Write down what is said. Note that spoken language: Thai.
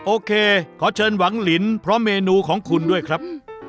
โอเคขอเชิญหวังลินพร้อมเมนูของคุณด้วยครับ